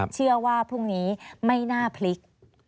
เชื่อว่าพรุ่งนี้ไม่น่าพลิก